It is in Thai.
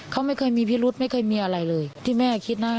เขาไม่เคยมีพิรุธไม่เคยมีอะไรเลยที่แม่คิดนะ